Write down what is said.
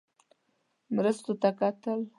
مرستو ته کتل.